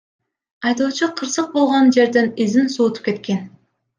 Айдоочу кырсык болгон жерден изин суутуп кеткен.